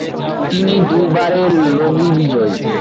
তিনি দুইবারের লগি বিজয়ী।